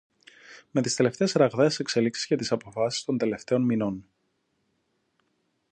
με τις τελευταίες ραγδαίες εξελίξεις και τις αποφάσεις των τελευταίων μηνών.